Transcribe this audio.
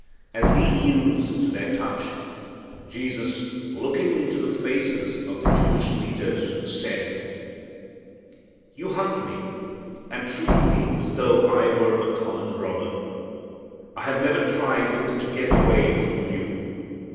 As He yields to their touch, Jesus, looking into the faces of the Jewish leaders, said, "You hunt me and treat me as though I were a common robber. I have never tried to get away from you.